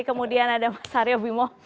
kemudian ada mas aryo bimo